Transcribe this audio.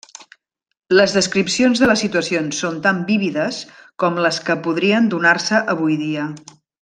Les descripcions de les situacions són tan vívides com les que podrien donar-se avui dia.